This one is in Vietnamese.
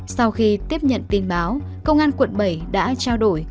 sau khi tiếp nhận tin báo công an quận bảy đã trao đổi